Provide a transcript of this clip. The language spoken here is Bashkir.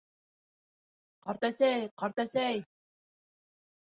— Ҡартәсәй, ҡартәсәй!